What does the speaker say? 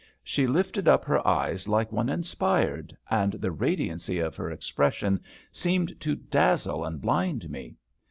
She lifted up her eyes like one inspired, and the radiancy of her expression seemed to dazzle and blind me.